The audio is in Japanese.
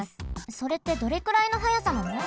それってどれくらいの速さなの？